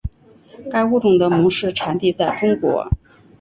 该物种的模式产地在中国。